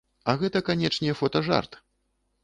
А гэта, канечне, фотажарт!